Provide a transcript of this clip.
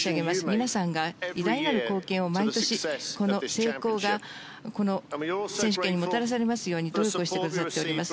皆さんが偉大なる貢献を毎年この成功がこの選手権にもたらされるように努力してくださっています。